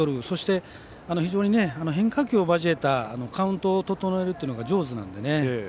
そして、非常に変化球を交えたカウントを整えるというのが上手なのでね。